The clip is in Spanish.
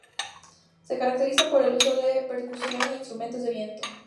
Se caracterizan por el uso de percusión e instrumentos de viento.